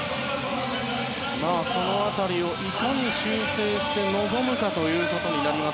その辺りをいかに修正して臨むかということになります。